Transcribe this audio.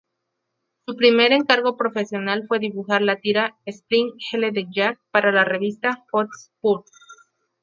Su primer encargo profesional fue dibujar la tira ""Spring-Heeled Jack"" para la revista "Hotspur".